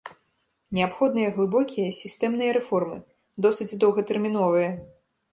Неабходныя глыбокія, сістэмныя рэформы, досыць доўгатэрміновыя.